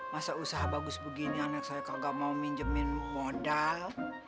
masa usaha bagus begini anak saya kagak mau minjemin modal